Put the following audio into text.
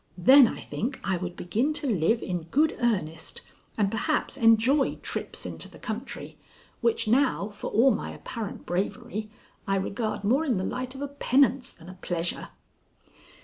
Then I think I would begin to live in good earnest and perhaps enjoy trips into the country, which now, for all my apparent bravery, I regard more in the light of a penance than a pleasure.